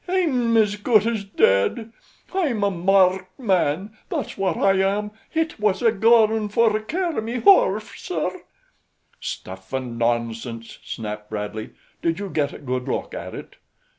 Hi'm has good as dead; Hi'm a marked man; that's wot Hi ham. Hit was a goin' for to carry me horf, sir." "Stuff and nonsense," snapped Bradley. "Did you get a good look at it?"